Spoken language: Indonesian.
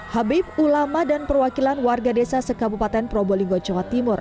habib ulama dan perwakilan warga desa sekabupaten probolinggo jawa timur